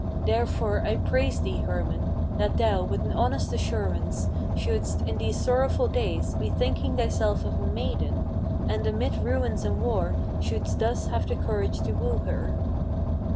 Therefore I praise thee, Hermann, that thou, with an honest assurance, Shouldst, in these sorrowful days, be thinking thyself of a maiden, And amid ruins and war shouldst thus have the courage to woo her."